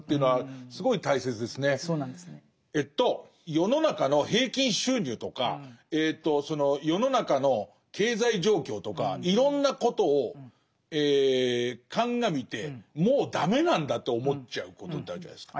世の中の平均収入とか世の中の経済状況とかいろんなことを鑑みてもう駄目なんだと思っちゃうことってあるじゃないですか。